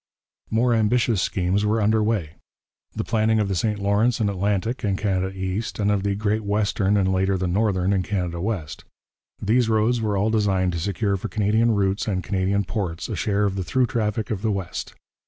More ambitious schemes were under way the planning of the St Lawrence and Atlantic in Canada East, and of the Great Western and later the Northern in Canada West. These roads were all designed to secure for Canadian routes and Canadian ports a share of the through traffic of the West.